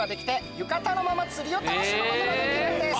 浴衣のまま釣りを楽しむことができるんです。